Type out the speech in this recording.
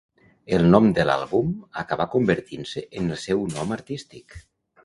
El nom de l'àlbum acabà convertint-se en el seu nom artístic.